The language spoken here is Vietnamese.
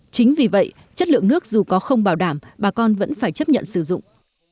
chính vì vậy chất lượng nước dù có không bảo đảm bà con vẫn phải chấp nhận sử dụng